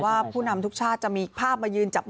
ว่าผู้นำทุกชาติจะมีภาพมายืน